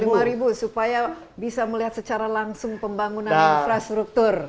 kita mau satu ratus lima puluh ribu supaya bisa melihat secara langsung pembangunan infrastruktur